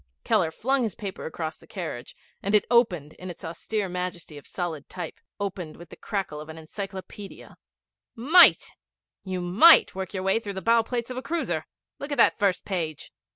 Keller flung his paper across the carriage, and it opened in its austere majesty of solid type opened with the crackle of an encyclopædia. 'Might! You might work your way through the bow plates of a cruiser. Look at that first page!'